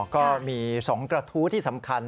ก็มี๒กระทู้ที่สำคัญ